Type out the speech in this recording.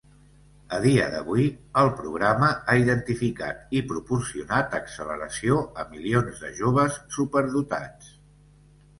A dia d'avui, el programa ha identificat i proporcionat acceleració a milions de joves superdotats.